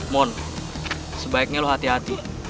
mohon sebaiknya lo hati hati